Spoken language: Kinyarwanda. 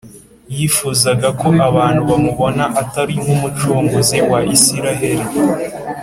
. Yifuzaga ko abantu bamubona, atari nk’Umucunguzi wa Isiraheli